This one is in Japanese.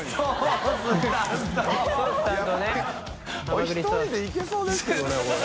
海１人でいけそうですけどねこれ。